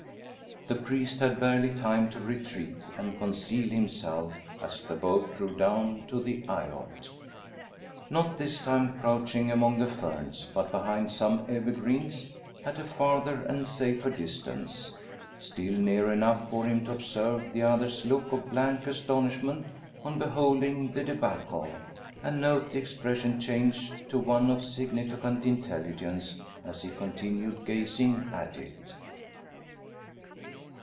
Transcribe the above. The priest had barely time to retreat and conceal himself, as the boat drew down to the eyot. Not this time crouching among the ferns; but behind some evergreens, at a farther and safer distance. Still near enough for him to observe the other's look of blank astonishment on beholding the debacle, and note the expression change to one of significant intelligence as he continued gazing at it.